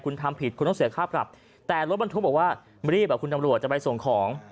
คุณทำผิดคุณต้องเสียค่าปรับแต่รถบรรทุกบอกว่ารีบอ่ะคุณตำรวจจะไปส่งของ